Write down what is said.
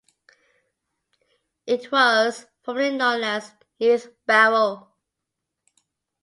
It was formerly known as Neath Barrow.